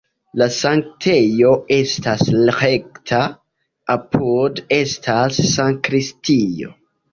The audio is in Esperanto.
La sanktejo estas rekta, apude estas sakristio.